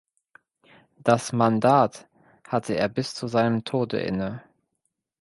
Das Mandat hatte er bis zu seinem Tode inne.